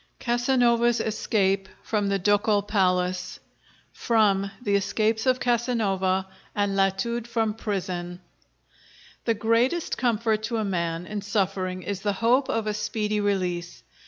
CASANOVA'S ESCAPE FROM THE DUCAL PALACE From 'The Escapes of Casanova and Latude from Prison' The greatest comfort to a man in suffering is the hope of a speedy release.